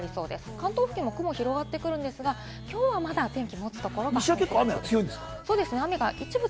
関東付近も雲が広がってくるんですが、きょうはまだ天気は持つところがありそうです。